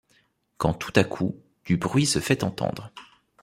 Quand tout à coup, du bruit se fait entendre.